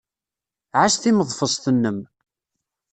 Ɛass timeḍfest-nnem.